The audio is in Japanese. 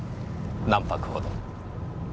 何泊ほど？